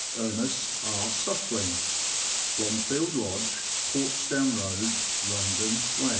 ERNEST R. SUFFLING. Blomjield Lodge, Portsdown Road, London, fV.